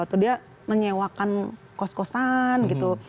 atau dia menyewakan kos kosan gitu